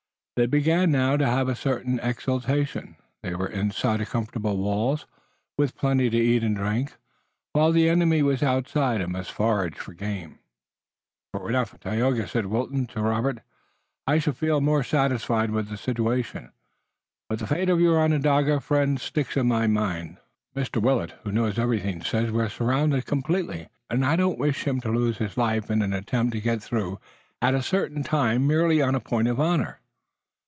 They began now to have a certain exultation. They were inside comfortable walls, with plenty to eat and drink, while the enemy was outside and must forage for game. "If it were not for Tayoga," said Wilton to Robert, "I should feel more than satisfied with the situation. But the fate of your Onondaga friend sticks in my mind. Mr. Willet, who knows everything, says we're surrounded completely, and I don't wish him to lose his life in an attempt to get through at a certain time, merely on a point of honor."